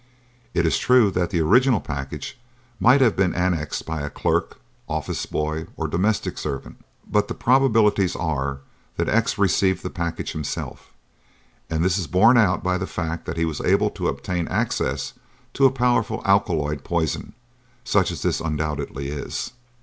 It is true that the original package might have been annexed by a clerk, office boy or domestic servant; but the probabilities are that X received the package himself, and this is borne out by the fact that he was able to obtain access to a powerful alkaloidal poison such as this undoubtedly is."